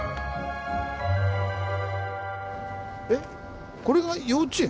えっこれが幼稚園？